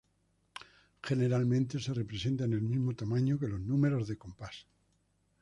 Generalmente se representa en el mismo tamaño que los números de compás.